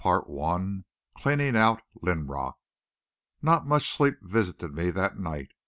Chapter 5 CLEANING OUT LINROCK Not much sleep visited me that night.